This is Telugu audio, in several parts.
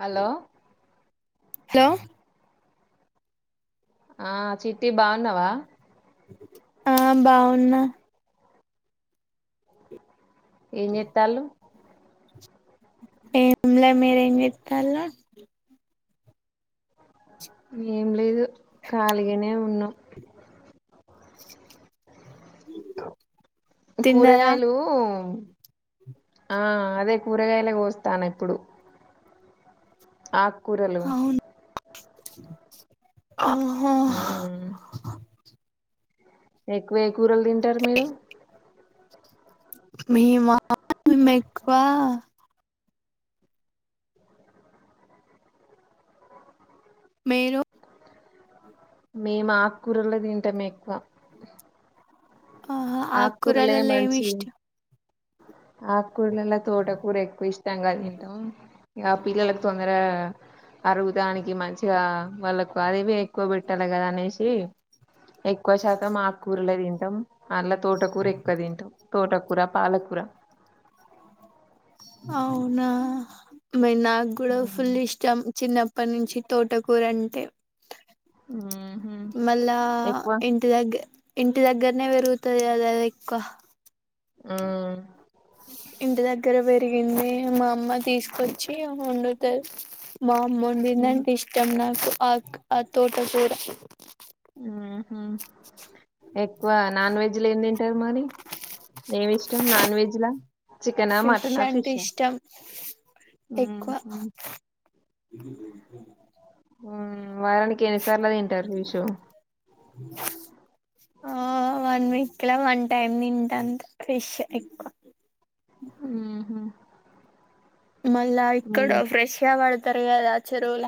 హలో హలో ఆ చిట్టి బాగున్నావా ఆ బాగున్నా ఏం చేతాలు ఏంలే మీరేం చేత్తాలు ఏం లేదు ఖాళీ గానే ఉన్నాం తిన్నారా కూరగాయలు ఆ అదే కూరగాయలు కోస్తన్న ఇప్పుడు ఆకుకూరలు హా హ్హ్ మ్మ్ ఎక్కువ ఏ కూరలు తింటారు మీరు మేమా మేము ఎక్కువ మీరు మేము ఆకుకూరలు కూడా తింటాం ఎక్కువ ఆహా ఆకుకూరలే ఆకురాలల్లా ఎమ్ మంచివి ఇష్టం ఆకుకూరలలో తోటకూర ఎక్కువ ఇష్టం గా తింటాం ఇగా పిల్లలకు తొందరగా అరుగడానికి మంచిగా వాళ్ళకు అవి ఎక్కువ పెడుతం కదా అనేసి ఎక్కువ శాతం ఆకుకూరలే తింటాం అన్లా తోటకూర ఎక్కువ తింటం తోటకూర పాలకూర అవునా అమ్మాయి నాకు కూడా ఉమ్. ఫుల్ ఇష్టం చిన్నప్పటి నుంచి తోటకూర అంటే ఊహు మళ్ళా ఎక్కువ ఇంటి దగ్గర ఇంటి దగ్గరనే పెరుగుతది కదా ఆది ఎక్కువ మ్మ్ హ్ ఇంటి దగ్గర పెరిగింది మా అమ్మ తీసుకొచ్చి వండుతది మా అమ్మ వండిదంటే ఇష్టం నాకు ఆ తోట కూర ఎక్కువ నాన్ వెజ్ లు ఏమి తింటారు మరి ఏమి ఇష్టం నాన్ వెెజ్లా చికెనా మటనా అంటే ఫిష్ ఆ ఇష్టం ఎక్కువ వారానికి ఎన్నిసార్లు తింటారు ఫిష్ ఆ వన్ వీక్లా వన్ టైమ్ తింట అంతే ఫిష్ ఎక్కువ హ్హ్మ్ మళ్ళా ఇక్కడ ఫ్రెష్ గా పడతారు కదా చెరువుల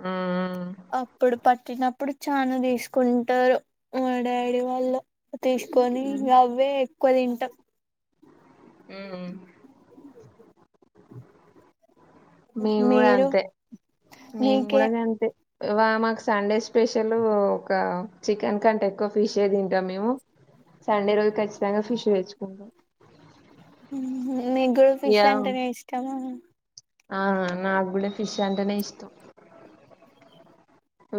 మ్ హు అప్పుడు పట్టినప్పుడు చాన తీసుకుంటారు మా డాడీ వాళ్ళు కొని ఊమ్ ఇగ అవ్వే ఎక్కువ తింటాం మ్మ్ హ్హ్ నేను మీరు నీకే కూడా అంతే మాకు సండే స్పెషల్ చికెన్ కంటే ఎక్కువ ఫిష్ తింటం మేము సండే రోజు ఖచ్చితంగా ఫిష్ తేచ్చుకుంటాం మీకు కూడా ఫిష్ అంటేనే ఇష్టమా ఆ ఆ నాకు కూడా ఫిష్ అంటేనే ఇష్టం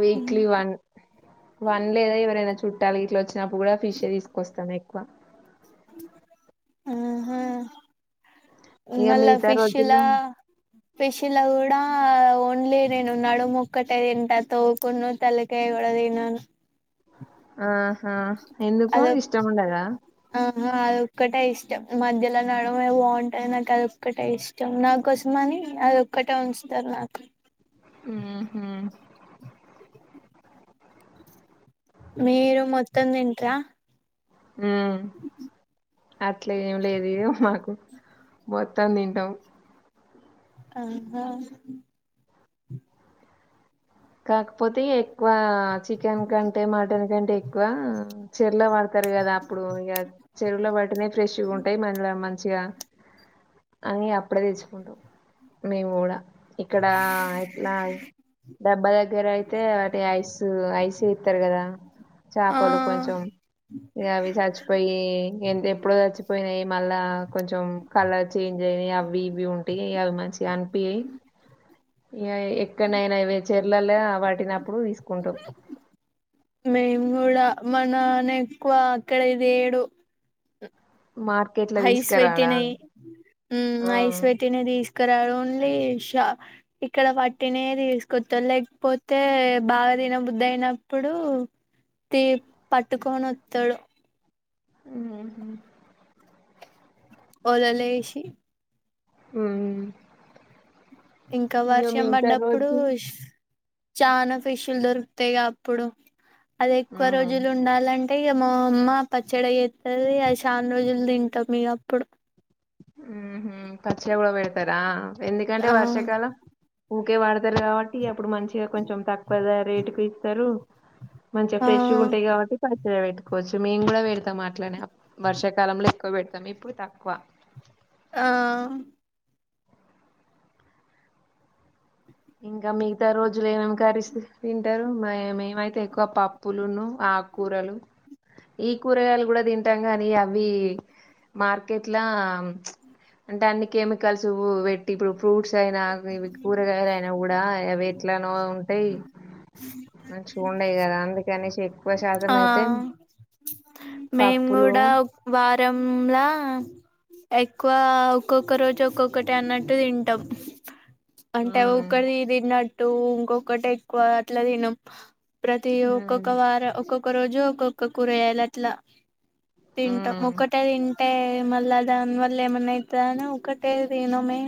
వీక్లీ వన్ లేదా ఎవరైనా చుట్టాలు గిట్ల వచ్చినప్పుడు అప్పుడు కూడా ఫిషే తీసుకొస్తాము ఎక్కువ ఆ హా ఇక మళ్ళా మిగతా ఫిష్లా రోజుల్లో లా ఫిష్లాలా కూడా ఓన్లీ నేను నడుము ఒకటే తింటా తోక, తల కూడా తినను ఆహా ఎందుకు అదే ఇష్టం ఉండదా ఆ అదొక్కటే తీసు ఇష్టం మధ్యలో నడుమే బాగుంటది నాకు అదోక్కటే ఇష్టం నాకోసం అని అదోక్కటే ఉంచుతరు ఇగా నాకు మ్మ్ హ్హ్ మీరు మొత్తం దింట్రా మ్మ్ అట్లా ఏం లేదు ఇగా మాకు మొత్తం తింటాం ఆహా కాకపోతే ఎక్కువ చికెన్ కంటే మటన్ కంటే ఎక్కువ చెరులో పడతారు కదా అప్పుడు ఇగ చెరువులో ప ట్టినవి ఫ్రెషగా ఉంటాయి మల్లా మాం చిగా అని అప్పుడే తెచ్చుకుంటాం మేము కూడా ఇక్కడ ఎట్లా డబ్బా దగ్గర అయితే వాటి ఐసు ఐసే ఇత్తరు కదా ఆ చాపలు కొంచెం ఇక అవి చచ్చిపోయి ఎ ఎప్పుడో చచ్చిపోయినాయి మళ్ళా కొంచెం కలర్ చేంజ్ అయి అవి ఇవి ఉంటాయి ఇ అవి మంచిగా అనిపియి ఇక ఎక్కడనైనా ఇవి చెర్లల్లో పట్టినప్పుడు తీసుకుంటాం మేము కూడా మా నాన్న ఎక్కువ అక్కడే తేడు మార్కెట్ల తీసుకురాడా హైస్వేటినవి మ్ ఆ ఐస్ పెట్నవి తీస్ కారాడు ఓన్లీ షా ఇక్కడ పట్టినేవి తీసుకొత్తారు లేకపోతే బాగా దిన బుద్ధి అయినప్పుడు తి పట్టుకొనొత్తాడు ఉమ్ హ్మ్ ఓలల ఎసి ఉమ్ ఇంకా ఇగ వర్షం మిగతా పడ్డప్పుడు రోజు చనాా ఫిష్యులు దొరుకుతయి గా అప్పుడు అది ఎక్కువ ఉహు రోజులు ఉండాలంటే ఇగ మా అమ్మ పచ్చడి అయి చెత్తది అ చాన్ రోజులు తింటాం ఇగ అప్పుడు ఉమ్ హ్మ్ పచ్చిగా కూడా బేడతారా ఎందుకంటే ఆ వర్షాకాలం ఊకే వాడతారు కాబట్టి అప్పుడు మంచిగా కొంచెం తక్కువగా రేట్ కి ఇస్తారు మంచిగ ఆ ఫ్రెష్గా ఉంటాయి కాబట్టి పచ్చడి పెట్టుకోవచ్చు మేము కూడా పెడతాం అట్లనే వర్షాకాలంలో ఎక్కువ పెడతాం ఇప్పుడు తక్కువ ఆ ఇంకా మిగతా రోజులు ఏం ఏం కర్రీస్ తింటారు మే మేమైతే ఎక్కువ పప్పులును ఆకూరలు ఈ కూరగాయలు కూడా తింటాం గానీ అవి మార్కెట్లా అంటే అన్ని కెమికల్స్ వేట్టి ఇప్పుడు ఫ్రూట్స్ అయినా ఇవి కూరగాయలు అయినా కూడా అవి ఎట్లానో ఉంటాయి అ మంచిగా ఉండయి కదా అందుకనెసి ఎక్కువ శాతం ఆ అయితే మేము పప్పులు కూడా వారంలా ఎక్కువ ఒక్కొక్క రోజు ఒక్కొక్కటి అన్నట్టు తింటాం అంటే అది ఉమ్ ఒకటి తిన్నట్టు ఇంకొకటి ఎక్కువ అట్లా తినం ప్రతి ఒక్కొక్క ఉమ్ వార ఒక్కొక్క రోజు ఒక్కొక్క కూరగాయలు అట్లా తింటా ఉమ్ ఒకటే తి అంటే మళ్ళా దాని వల్ల ఏమన్నాయితాది అని ఒకటే తినం మే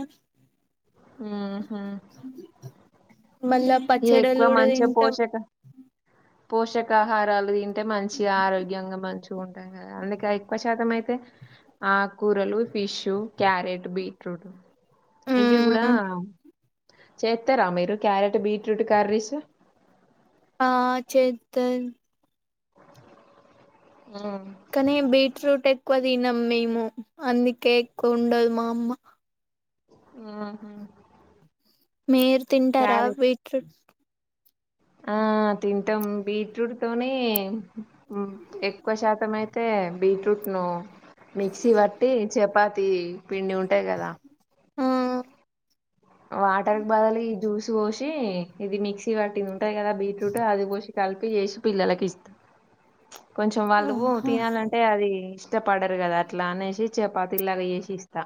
ఉమ్ హ్మ్ మళ్ళా ఈ ఎక్కువ పచ్చడలు కూడా మంచిగా తింటాం పోషక పోషకాహారాలు తింటే మంచిగా ఆరోగ్యంగా మంచి కొంటాం కదా అందుకే ఎక్కువ శాతం అయితే ఆకూరలు ఫిషూ క్యారెట్ బీట్రూట్ ఇవి కూడా చేత్తరా మీరు క్యారెట్ బీట్ బీట్రూట్ కర్రీస్ ఆ చేద్దన్ ఉమ్ కానీ బీట్రూట్ ఎక్కువ, తినం మేము అందుకే ఎక్కువ వండదు మా అమ్మ ఉమ్ హ్మ్ మీరు తింటార బీట్రూట్ ఆ తింటాం, బీట్రూట్ తోని ఉమ్ ఎక్కువ శాతం అయితే, బీట్రూట్ ను మిక్సీ పట్టి చపాతి పిండి ఉంటాయి కదా ఆ వాటర్కి బాదలు ఈ జ్యూస్ పోసి ఇది మిక్సీ పట్టింది ఉంటాది, కదా బీట్రూట్ అది పోసి కలిపి చేసి పిల్లలకి ఇస్తా కొంచెం వాళ్లు ఆహా తినాలంటే అది ఇష్టపడరు కదా అట్లా అనేసి చపాతిలాగా చేసి ఇస్తా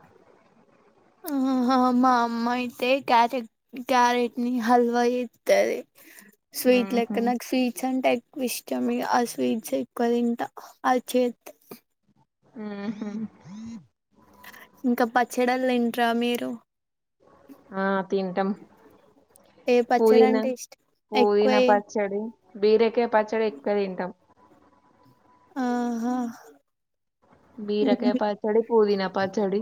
ఆహా మా అమ్మ అయితే, క్యారెట్ క్యారెట్ ని హల్వా చేత్తది. స్వీట్ మ్మ్హ్ లెక్క నాకు స్వీట్స్ అంటే, ఎక్కువ ఇష్టం ఆ స్వీట్స్ ఎ క్కువతింటా అది చేత్తే ఉ హు ఇంకా పచ్చడల్ తింటారా మీరు ఆ తింటాం ఏ పచ్చడి పుదీనా, అంటే ఇష్టం ఎక్కువ పుదీనా పచ్చడి బీరకాయ పచ్చడి ఎక్కువ తింటాం. ఆహా బీరకాయ పచ్చడి, పుదీనా పచ్చడి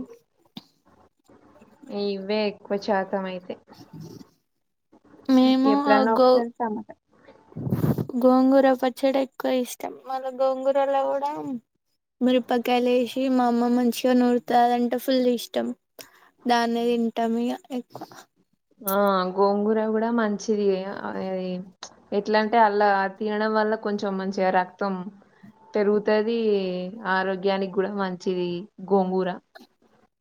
ఇవే ఎక్కువ శాతం అయితే మేము ఎప్పుడన్నా గో ఒకసారి టమాట గోంగూర పచ్చడ, ఎక్కువ ఇష్టం మళ్ళ గోంగూరలో కూడా మీరిపకాయలు ఎసి మా అమ్మ మంచిగా నూరుతదంటే ఫుల్ ఇష్టం దాన్నే తింటాం ఇగ ఎక్కువ ఆ గోంగూర కూడా మంచిది. ఆ యి ఎట్లాంటే అలా తినడం వల్ల కొంచెం మంచిగా రక్తం పెరుగుతది ఆరోగ్యానికి కూడా మంచిది గోంగూర [unintelligible]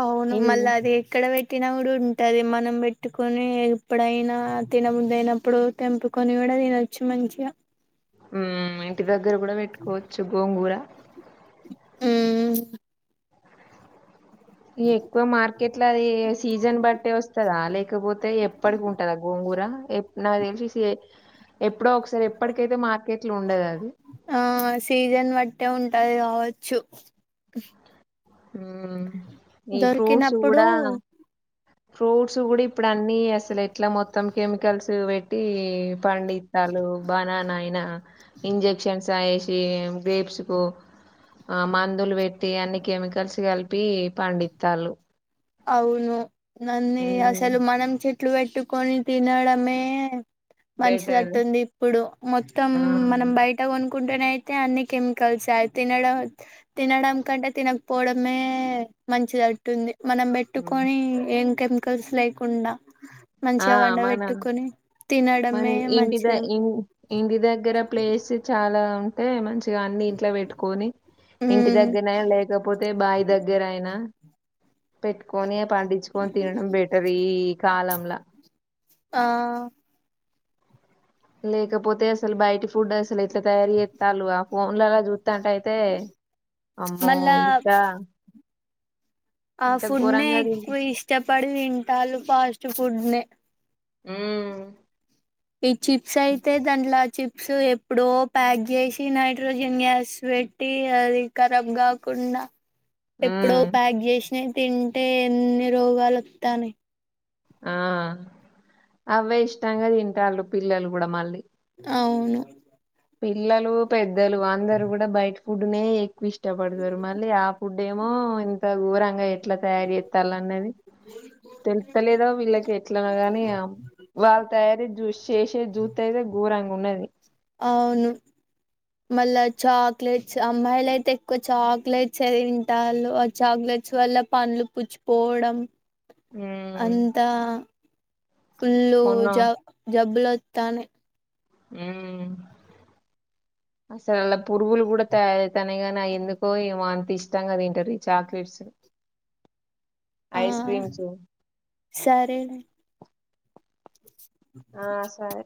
అవును ఇది మళ్ళా అది ఎక్కడ పెట్ ట్టినకూడా ఉంటది, మనం పెట్టుకొని ఎప్పుడైనా తినబుద్ధి అయినప్పుడు తెంపుకొని కూడా తినొచ్చు మంచిగా ఉమ్ ఇంటి దగ్గర కూడా పెట్టుకోవచ్చు గోంగూర ఉమ్ ఇగ ఎక్కువ మార్కెట్ల అది సీజన్ బట్టటి వస్తందా లేక కపోతే ఎప్పటికి ఉంటదా, గోంగూర నాకు తెలిసి సి ఎప్ ప్పుడో ఒకసారి ఎప్పడికైతే మార్కెట్ల ఉండదు, అది ఉంటే ఉంటాది, కావచ్చు ఉమ్ ఈ ఫ్రూట్స్ దొరికినప్పుడు కూడా ఫ్రూట్స్ కూడా ఇప్పుడు, అన్ని అసలు ఎట్లా మొత్తం కెమికల్స్ పెట్టి ఈ పండితళ్లు బన్నానా అయినా ఇంజక్షన్స్ఆ ఏష్ ఎం గ్రేప్స్ కు ఆ మందులు పెట్టి అన్ని కెమికల్స్ కలిపి పండితలు అవును నన్నీ అసలు మనం చేట్ ఎట్లు పెట్టుకొని తినడమే బెటర్ మంచిదట్టుంది, ఇప్పుడు మొత్తం ఆ మనం బయట కొను కుంటేనే అయితే అన్ని కెమికల్స్ ఎ అయి తినడం తినడం కంటే తినకు పోవడమే మంచిదట్టుంది మనం ఉమ్. పెట్టుకొని ఏంకె కెమికల్స్ లేకుండా, ఆ మంచిగా పండ పెట్టుకొని, మన ఇంటి ద ఇంటి దగ్గర ప్లేస్ చాలా ఉంటే మంచి, ఇగ అన్ని ఇంట్లో పెట్టుకొని ఇంటి ఉమ్ దగ్గరయినా లేకపోతే బాయి దగ్గరయినా పెట్టుకొని పండించుకొని తినడం బెటర్ ఈ కాలంలా ఆ లేకపోతే అసలు బయటి ఫుడ్ అసలు ఎట్లా తయారు చేత్తలు ఆ ఫో ఫోన్న్లలా చూత్తటయితే అమ్మో మళ్ళా ఇంకా ఆ ఫుడ్ నే తింట ఎక్కువ ఇష్టపడి తింటాళ్లు ఫాస్ట్ ఫుడ్ నే ఊ ఈ చిప్స్ అయితే దాండ్లా చిప్ సో ఎప్పుడో ప్యాక్ చేసి నైట్రోజన్ గ్యాస్ పెట్టి అది ఖరాబ్ కాకుండా ఉమ్ ఎప్పుడో ప్యాక్ చేసినవి తింటే ఎన్ని రోగాలు వతనయ్ ఆ అవే ఇష్టంగా తింటలు పిల్లలు కూడా మళ్ళీ అవును పిల్లలు పెద్దలు అందరు కూడా బయట ఫుడ్నే ఎక్కువ ఇష్టపడతారు మళ్ళీ ఆ ఫుడ్ డేమో ఇంత ఘోరంగా ఎట్ల తయారు చేతలన్నది తెలుతలేదో వీళ్ళకి ఎట్లనొ గని ఇగ వాళ్ తయారీ జూసి చేసే జూతే అయితే గోరంగ్ ఉన్నది అవును మళ్ళా చాక్లెట్స్ అమ్మాయిల అయితే ఎక్కువ చాక్లెట్స్ ఏ తింటలు ఆ చాక్ క్లేట్స్ వల్ల పండ్లు పుచ్చిపోవడం ఉమ్ అంత ఫుల్లు మొన్న జ జబ్బులొతనయ్ ఊ అసలు అలా పురుగులు కూడా తయారయితనయ్ గని అయి ఎందుకో ఏమో అంత ఇష్టంగా తింటారు ఈ చాక్లెట్స్ ఉ ఆ ఐస్ క్రీమ్స్ ఊ సరే ఆ సరే